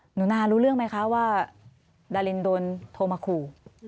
หนูนารู้เรื่องไหมคะว่าดารินโดนโทรมาขู่